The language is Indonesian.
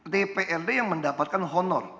dprd yang mendapatkan honor